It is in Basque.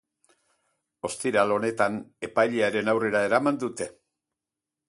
Ostiral honetan, epailearen aurrera eraman dute.